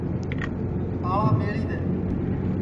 تاݪا میݪی دؔے